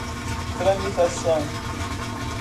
tramitação